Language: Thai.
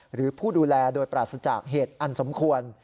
หรือผู้ดูแลโดยปราศจากเหตุอันสมควร